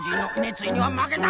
ついにはまけた！